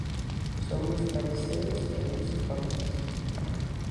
Son uns fariseos e uns hipócritas.